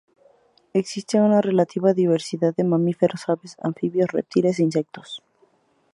Existe una relativa diversidad de mamíferos, aves, anfibios, reptiles e insectos.